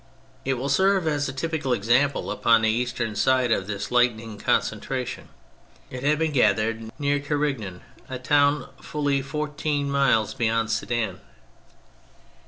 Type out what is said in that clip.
It will serve as a typical example upon the eastern side of this light ning concentration. It had been gathered near Carignan, a town full fourteen miles beyond Sedan.